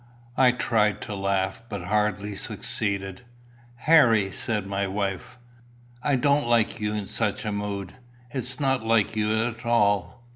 I tried to laugh, but hardly succeeded. "Harry," said my wife, "I don't like you in such a mood. It is not like you at all.